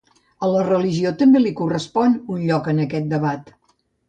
A la religió també li correspon un lloc en aquest debat.